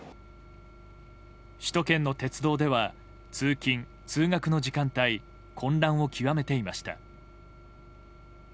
首都圏の鉄道では通勤・通学の時間帯混乱を極めていました。